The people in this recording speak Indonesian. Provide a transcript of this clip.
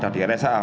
ada di rsa